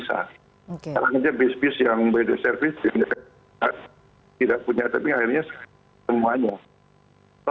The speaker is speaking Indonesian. sekarang aja bis bis yang beda service tidak punya tapi akhirnya semuanya